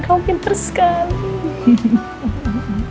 kamu pinter sekali